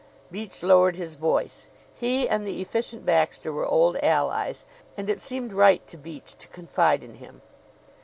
Beach lowered his voice. He and the Efficient Baxter were old allies, and it seemed right to Beach to confide in him.